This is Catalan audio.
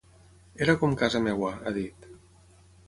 Era com casa meva, ha dit.